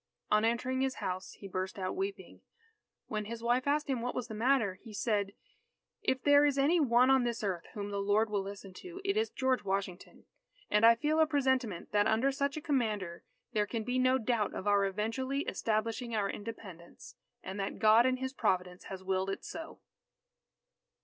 On entering his house, he burst out weeping. When his wife asked him what was the matter, he said: "If there is any one on this earth whom the Lord will listen to, it is George Washington. And I feel a presentiment that under such a Commander there can be no doubt of our eventually establishing our Independence, and that God in His providence has willed it so."